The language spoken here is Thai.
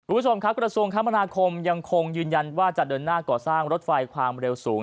คุณผู้ชมครับกระทรวงคมนาคมยังคงยืนยันว่าจะเดินหน้าก่อสร้างรถไฟความเร็วสูง